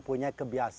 ininya ini sepertilas